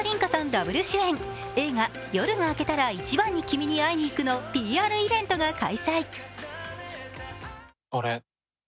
ダブル主演映画「夜が明けたら、いちばんに君に会いにいく」のＰＲイベントが開催。